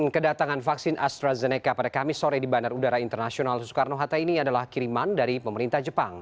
kedatangan vaksin astrazeneca pada kamis sore di bandar udara internasional soekarno hatta ini adalah kiriman dari pemerintah jepang